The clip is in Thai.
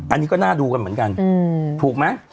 อันนี้ก็น่าดูกันเหมือนกันถูกไหม